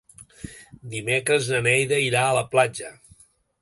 Dimecres na Neida irà a la platja.